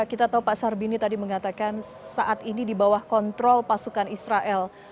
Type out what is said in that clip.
kita tahu pak sarbini tadi mengatakan saat ini di bawah kontrol pasukan israel